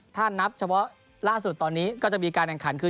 ถ้านับเฉพาะล่าสุดตอนนี้ก็จะมีการแข่งขันคือ